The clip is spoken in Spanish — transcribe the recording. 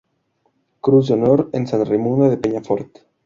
Cruz de Honor de San Raimundo de Peñafort.